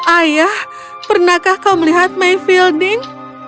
ayah pernahkah kau melihat my fielding